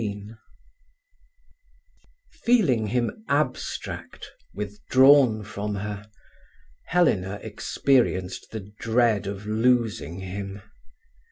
XVI Feeling him abstract, withdrawn from her, Helena experienced the dread of losing him.